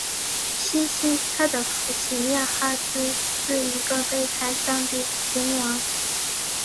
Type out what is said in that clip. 希西家的父亲亚哈斯是一个背逆上帝的君王。